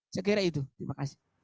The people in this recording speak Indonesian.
sekiranya itu terima kasih